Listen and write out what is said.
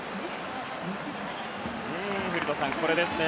古田さん、これですね。